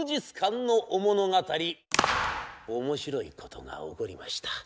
面白いことが起こりました。